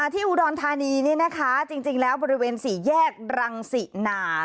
ที่อุดรธานีนี่นะคะจริงแล้วบริเวณสี่แยกรังสินา